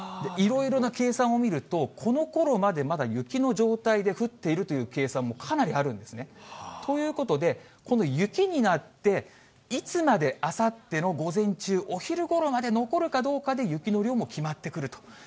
いろいろな計算を見ると、このころまで、まだ雪の状態で降っているという計算もかなりあるんですね。ということで、この雪になって、いつまであさっての午前中、お昼ごろまで残るかどうかで、雪の量も決まってくると。